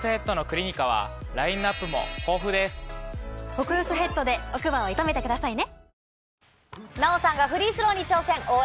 極薄ヘッドで奥歯を射止めてくださいね！